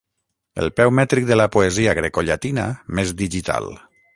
El peu mètric de la poesia grecollatina més digital.